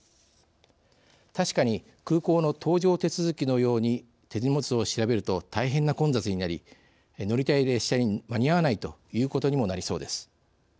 確かに空港の搭乗手続きのように手荷物を調べると大変な混雑になり乗りたい列車に間に合わないということにもなりそうです。